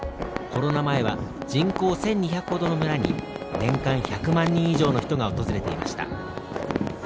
コロナ前は人口１２００ほどの村に年間１００万人以上の人が訪れていました。